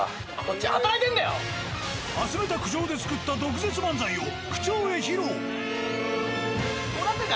集めた苦情で作った毒舌漫才を区長へ披露。